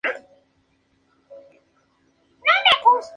No son lo mismo.